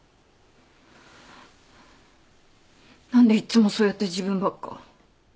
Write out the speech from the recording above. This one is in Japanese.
何でいっつもそうやって自分ばっか。